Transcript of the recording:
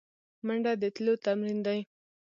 منډه د تلو تمرین دی